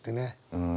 うん。